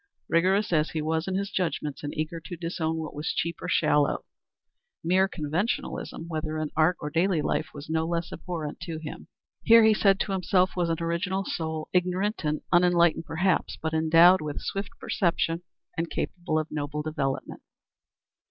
Rigorous as he was in his judgments, and eager to disown what was cheap or shallow, mere conventionalism, whether in art or daily life, was no less abhorrent to him. Here, he said to himself, was an original soul, ignorant and unenlightened perhaps, but endowed with swift perception and capable of noble development.